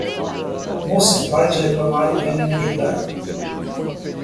Moça, pare de reclamar e venha me ajudar.